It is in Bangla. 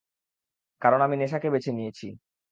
কারণ আমি নেশাকে বেছে নিয়েছি!